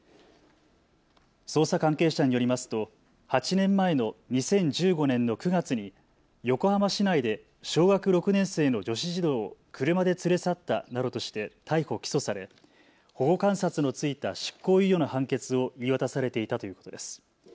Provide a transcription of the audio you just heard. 捜査関係者によりますと８年前の２０１５年の９月に横浜市内で小学６年生の女子児童を車で連れ去ったなどとして逮捕・起訴され保護観察の付いた執行猶予の判決を言い渡されていたということです。